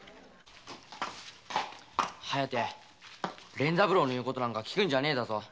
連三郎の言うことなんか聞くんじゃねえぞ。